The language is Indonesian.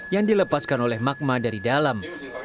yang dilepaskan oleh magma dari dalam